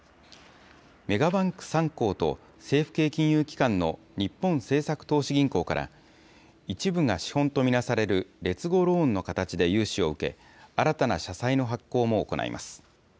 メガバンク３行と、政府系金融機関の日本政策投資銀行から、一部が資本と見なされる劣後ローンの形で融資を受け、新たな社債の発行も行います。